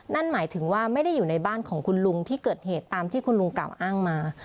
นั่นหมายถึงว่าไม่ได้อยู่ในบ้านของคุณลุงที่เกิดเหตุตามที่คุณลุงกล่าวอ้างมา